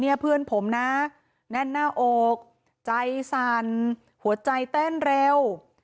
เพื่อนผมนะแน่นหน้าอกใจสั่นหัวใจเต้นเร็ว